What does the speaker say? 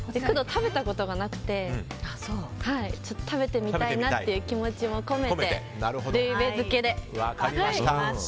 食べたことがなくて食べてみたいなという気持ちも込めてルイベ漬けで。